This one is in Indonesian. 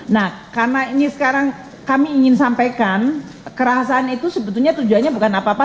nah karena ini sekarang kami ingin sampaikan kerahasaan itu sebetulnya tujuannya bukan apa apa